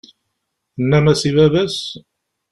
Tennam-as i baba-s?